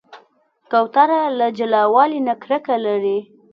کوتره له جلاوالي نه کرکه لري.